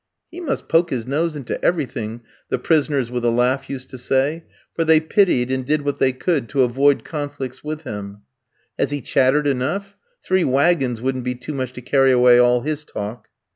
"He must poke his nose into everything," the prisoners with a laugh used to say; for they pitied, and did what they could to avoid conflicts with him. "Has he chattered enough? Three waggons wouldn't be too much to carry away all his talk."